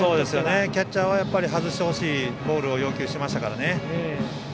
キャッチャーは外してほしいボールを要求しましたね。